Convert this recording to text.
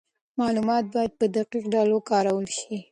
معلومات باید په دقیق ډول وکارول سي.